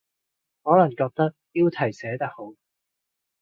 可能覺得標題寫得好